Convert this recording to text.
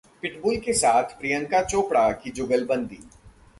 pitbull के साथ प्रियंका चोपड़ा की जुगलबंदी